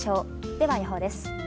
では予報です。